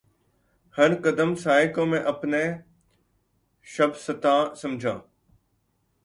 ہر قدم سائے کو میں اپنے شبستان سمجھا